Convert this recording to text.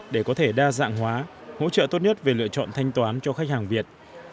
để có thể đa dạng hóa hỗ trợ tốt nhất về lựa chọn thanh toán cho khách hàng việt